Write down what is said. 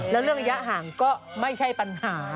แล้วเรื่องระยะห่างก็ไม่ใช่ปัญหา